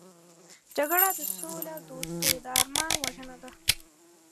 جګړه د سولهدوستو د ارمان وژنه ده